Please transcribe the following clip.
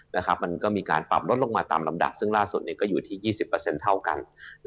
มันก็มีการปรับลดลงมาตามลำดับซึ่งล่าสุดก็อยู่ที่๒๐เท่ากัน